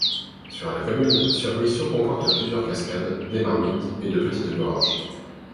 Sur la commune, ce ruisseau comporte plusieurs cascades, des marmites et de petites gorges.